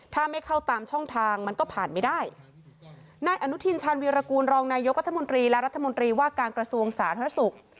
ถ้าไม่เข้าตามช่องทางมันก็ผ่านไม่ได้นายอนุทินชาญวีรกูลรองนายกรัฐมนตรีและรัฐมนตรีว่าการกระทรวงสาธารณสุข